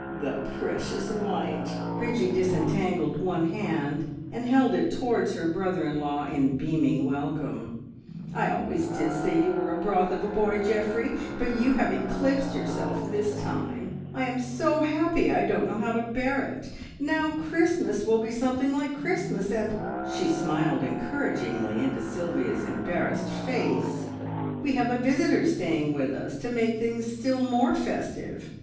"The precious mite!" Bridgie disentangled one hand and held it towards her brother in law in beaming welcome. "I always did say you were a broth of a boy, Geoffrey, but you have eclipsed yourself this time. I am so happy I don't know how to bear it. Now Christmas will be something like Christmas, and " she smiled encouragingly into Sylvia's embarrassed face, "we have a visitor staying with us to make things still more festive.